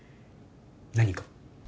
何か？